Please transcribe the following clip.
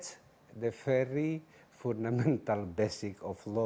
basis yang sangat fundamental